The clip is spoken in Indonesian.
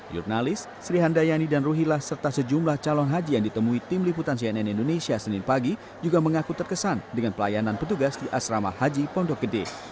jurnalis sri handayani dan ruhila serta sejumlah calon haji yang ditemui tim liputan cnn indonesia senin pagi juga mengaku terkesan dengan pelayanan petugas di asrama haji pondok gede